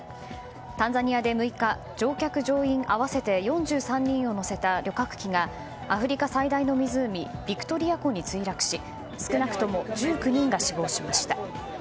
タンザニアで６日乗客・乗員合わせて４３人を乗せた旅客機がアフリカ最大の湖ヴィクトリア湖に墜落し少なくとも１９人が死亡しました。